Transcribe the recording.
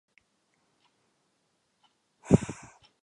Areál s nejvyšší hodnotou mívá svou základnu nejvýše.